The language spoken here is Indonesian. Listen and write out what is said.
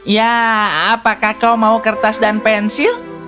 ya apakah kau mau kertas dan pensil